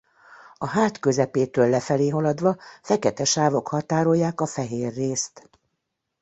A hát közepétől lefelé haladva fekete sávok határolják a fehér részt.